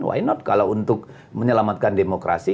why not kalau untuk menyelamatkan demokrasi